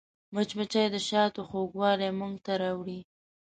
مچمچۍ د شاتو خوږوالی موږ ته راوړي